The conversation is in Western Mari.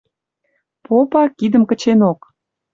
Попа, кидӹм кыченок: